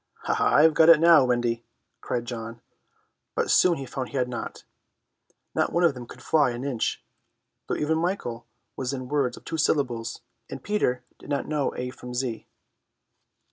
"I've got it now, Wendy!" cried John, but soon he found he had not. Not one of them could fly an inch, though even Michael was in words of two syllables, and Peter did not know A from Z.